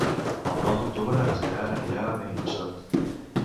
El nou d'octubre en Gerard anirà a Benimassot.